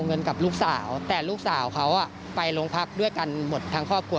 เงินกับลูกสาวแต่ลูกสาวเขาไปโรงพักด้วยกันหมดทั้งครอบครัว